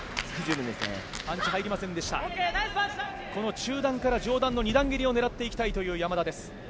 中段から上段の２段蹴りを狙っていきたいという山田。